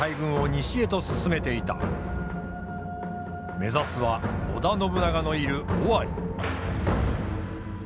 目指すは織田信長のいる尾張。